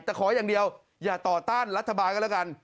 แต่ขออย่างเดียวอย่าต่อต้านรัฐบาลก็แล้วกัน